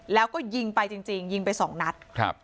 แล้วก็ยิงไปจริงยิงไปสองนัดครับ